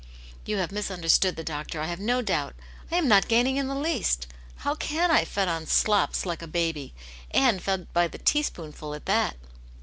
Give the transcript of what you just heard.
^" You have misunderstood the doctor, I have no doubt, I am not gaining in the least. How cart I, fed on slops, like a baby> and fed by the teaspoonful at that."